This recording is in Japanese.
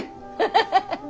ハハハハ。